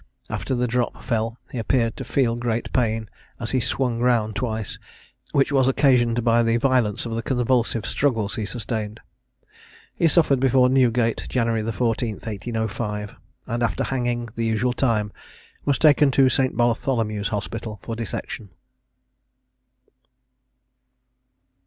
After the drop fell he appeared to feel great pain, as he swung round twice, which was occasioned by the violence of the convulsive struggles he sustained. He suffered before Newgate, January the 14th 1805, and, after hanging the usual time, was taken to St. Bartholomew's hospital for dissection.